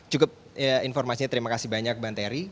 cukup informasinya terima kasih banyak bang terry